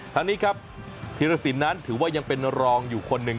ทางนี้ครับธีรสินนั้นถือว่ายังเป็นรองอยู่คนหนึ่ง